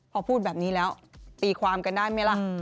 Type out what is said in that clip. พอพูดแบบนี้แล้วตีความกันได้ไหมล่ะ